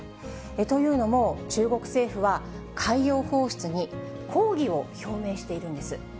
というのも、中国政府は、海洋放出に抗議を表明しているんです。